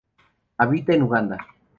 Habita en Uganda.